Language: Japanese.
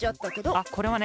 あっこれはね